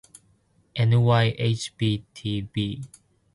ｎｙｈｂｔｂ